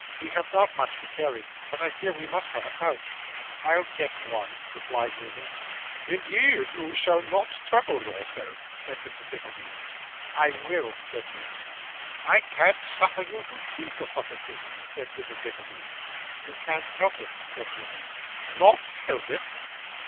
'We have not much to carry, but I fear we must have a coach.' 'I'll get one,' replied Newman. 'Indeed you shall not trouble yourself,' said Mrs. Nickleby. 'I will,' said Newman. 'I can't suffer you to think of such a thing,' said Mrs. Nickleby. 'You can't help it,' said Newman. 'Not help it!